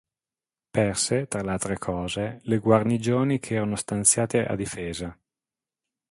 Perse, tra le altre cose, le guarnigioni che erano stanziate a difesa.